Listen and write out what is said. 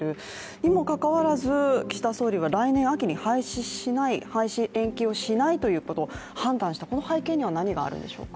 にもかかわらず岸田総理は来年秋に廃止延期をしないということを判断した、この背景には何があるんでしょうか。